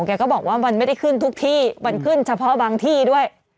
แกก็บอกว่ามันไม่ได้ขึ้นทุกที่มันขึ้นเฉพาะบางที่ด้วย